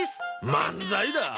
漫才だぁ？